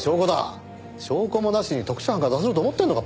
証拠もなしに特殊班が出せると思ってるのか！？